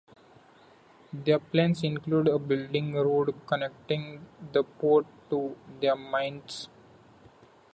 Their plans include building a road connecting the port to their mines.